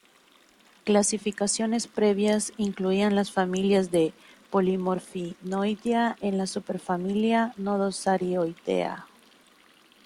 Clasificaciones previas incluían las familias de Polymorphinoidea en la superfamilia Nodosarioidea.